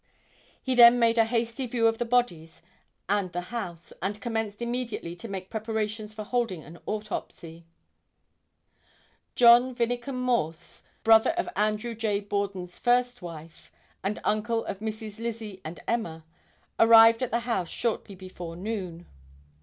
He then made a hasty view of the bodies and the house, and commenced immediately to make preparations for holding an autopsy. John Vinnicum Morse, brother of Andrew J. Borden's first wife and uncle of Misses Lizzie and Emma, arrived at the house shortly before noon.